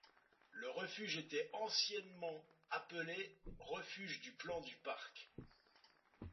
Le refuge était anciennement appelée refuge du plan du Parc.